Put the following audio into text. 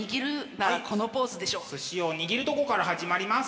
寿司を握るとこから始まります。